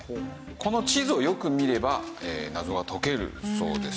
この地図をよく見れば謎は解けるそうです。